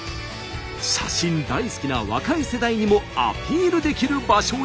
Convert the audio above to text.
写真大好きな若い世代にもアピールできる場所へ。